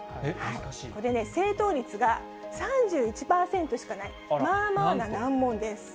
これね、正答率が３１％しかない、まあまあな難問です。